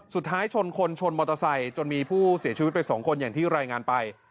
ชนคนชนมอเตอร์ไซค์จนมีผู้เสียชีวิตไปสองคนอย่างที่รายงานไป